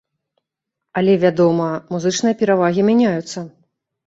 Але, вядома, музычныя перавагі мяняюцца.